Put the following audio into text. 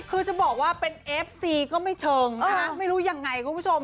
คือจะบอกว่าเป็นเอฟซีก็ไม่เชิงนะคะไม่รู้ยังไงคุณผู้ชม